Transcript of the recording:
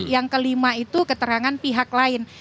yang kelima itu keterangan pihak lain